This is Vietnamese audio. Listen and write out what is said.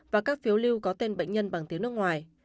và các phiếu lưu có tên bệnh nhân bằng tiếng nước ngoài